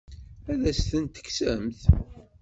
Ad as-ten-tekksemt?